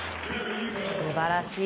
素晴らしい。